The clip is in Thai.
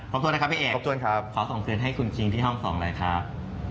ขอบคุณนะครับพี่เอกขอส่งเกินให้คุณจริงที่ห้องส่องเลยครับ